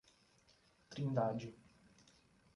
Trindade